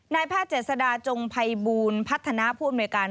นายภาคเจสดาจงภัยบูรณ์พัฒนาผู้อำนวยการ